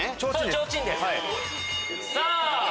ちょうちんです。